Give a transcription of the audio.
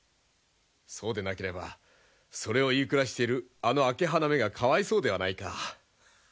そうでなければそれを言い暮らしているあの朱鼻めがかわいそうではないか。